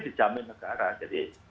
dijamin negara jadi